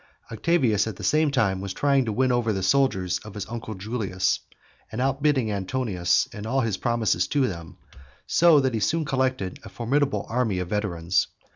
Octavius at the same time was trying to win over the soldiers of his uncle Julius, and out bidding Antonius in all his promises to them, so that he soon collected a formidable army of veterans.